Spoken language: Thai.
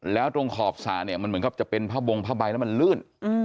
แล้วตรงขอบสระเนี่ยมันเหมือนกับจะเป็นผ้าบงผ้าใบแล้วมันลื่น